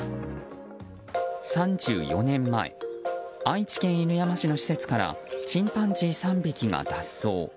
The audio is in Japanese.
３４年前愛知県犬山市の施設からチンパンジー３匹が脱走。